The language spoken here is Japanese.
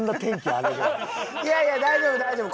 いやいや大丈夫大丈夫。